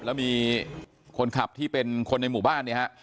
แล้วมีคนขับที่เป็นคนในหมู่บ้านเนี่ยฮะ